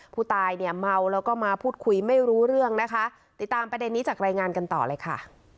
ผู้ตายเนี่ยเมาแล้วก็มาพูดคุยไม่รู้เรื่องนะคะติดตามประเด็นนี้จากรายงานกันต่อเลยค่ะ